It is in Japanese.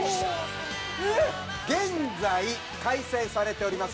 現在開催されております